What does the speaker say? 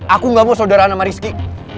aku gak mau saudara anak marisky